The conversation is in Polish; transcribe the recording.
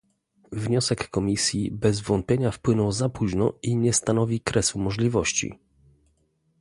Wniosek Komisji bez wątpienia wpłynął za późno i nie stanowi kresu możliwości